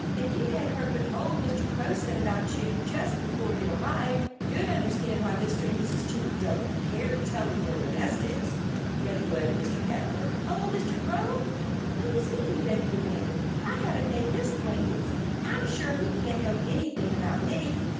"If you had heard what old Mr. Crow said about you, just before you arrived, you'd understand why Mr. and Mrs. Chippy don't care to tell you where their nest is." Reddy glared at Mr. Catbird. "Old Mr. Crow? Who's he?" Reddy demanded. "I haven't made his acquaintance. I'm sure he can't know anything about me."